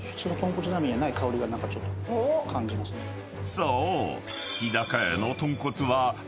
［そう］